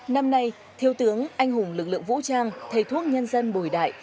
năm nay thiếu tướng anh hùng lực lượng vũ trang thầy thuốc nhân dân bùi đại